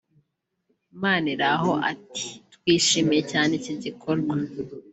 Maniraho ati “Twishimiye cyane iki gikorwa